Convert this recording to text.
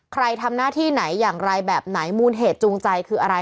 ใครทำหน้าที่ไหนอย่างไรแบบไหนมูลเหตุจูงใจคืออะไร